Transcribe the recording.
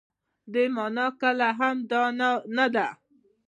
دې مانا کله هم دا نه ده.